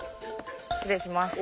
失礼します。